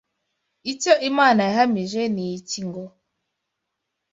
icyo Imana yahamije ni iki ngo: